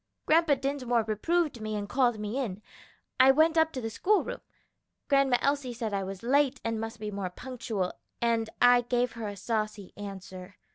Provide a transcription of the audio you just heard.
Grandpa Dinsmore reproved me and called me in. I went up to the school room. Grandma Elsie said I was late and must be more punctual, and I gave her a saucy answer.